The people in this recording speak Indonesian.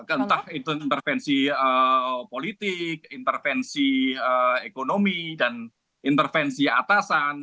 entah itu intervensi politik intervensi ekonomi dan intervensi atasan